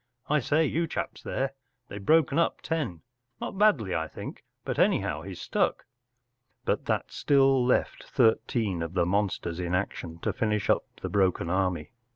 “ I say, you chaps there. They’ve broken up Ten. Not badly, I think ; but anyhow, he’s stuck ! ” But that still left thirteen of the monsters in action to finish up the broken army.